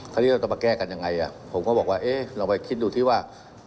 คราวนี้เราจะมาแก้กันยังไงผมก็บอกว่าเอ๊ะลองไปคิดดูที่ว่า